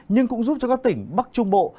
nhưng cũng giúp cho các tỉnh bắc trung bộ